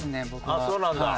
あっそうなんだ。